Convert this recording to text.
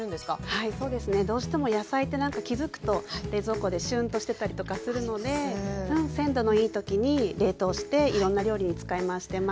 はいそうですね。どうしても野菜ってなんか気付くと冷蔵庫でシュンとしてたりとかするので鮮度のいい時に冷凍していろんな料理に使い回してます。